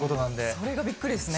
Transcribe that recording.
それがびっくりですね。